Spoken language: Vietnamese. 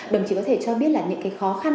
đồng chí có thể cho biết là những cái khó khăn